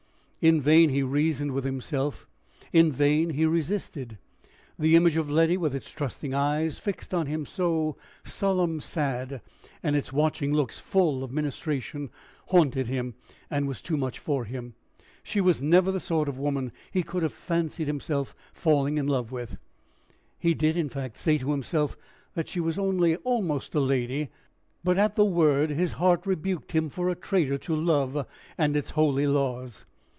In vain he reasoned with himself, in vain he resisted. The image of Letty, with its trusting eyes fixed on him so "solemn sad," and its watching looks full of ministration, haunted him, and was too much for him. She was never the sort of woman he could have fancied himself falling in love with; he did in fact say to himself that she was only almost a lady but at the word his heart rebuked him for a traitor to love and its holy laws.